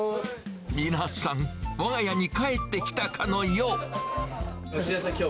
皆さん、わが家に帰ってきたかのよう。